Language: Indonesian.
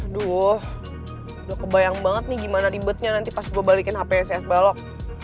aduh udah kebayang banget nih gimana ribetnya nanti pas gue balikin hps balok